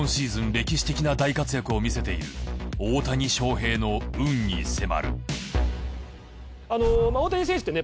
歴史的な大活躍を見せている大谷翔平の運に迫る大谷選手ってね